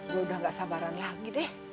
gue udah gak sabaran lagi deh